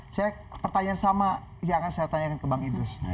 saya pertanyaan sama yang akan saya tanyakan ke bang idrus